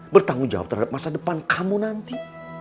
bertanggung jawab terhadap masa depan kamu nanti